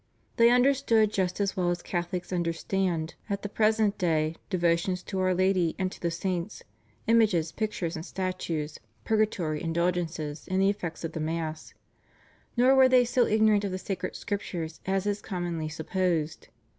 They understood just as well as Catholics understand at the present day devotions to Our Lady and to the Saints; Images, Pictures and Statues, Purgatory, Indulgences and the effects of the Mass. Nor were they so ignorant of the Sacred Scriptures as is commonly supposed.